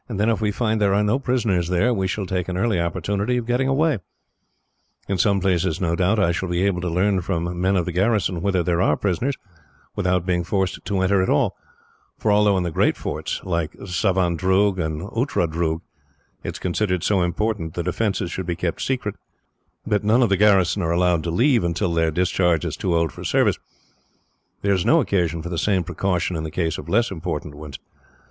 Then, if we find there are no prisoners there, we shall take an early opportunity of getting away. In some places, no doubt, I shall be able to learn from men of the garrison whether there are prisoners, without being forced to enter at all; for although in the great forts, like Savandroog and Outradroog, it is considered so important the defences should be kept secret, that none of the garrison are allowed to leave until they are discharged as too old for service, there is no occasion for the same precaution in the case of less important places.